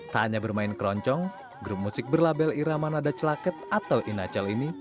tak hanya bermain keroncong grup musik berlabel irama nada celaket atau inachael ini